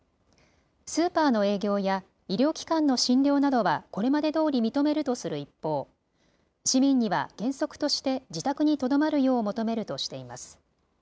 スーパーの営業や医療機関の診療などはこれまでどおり認めるとする一方、市民には原則として自宅にとどまるよう求めるとしています。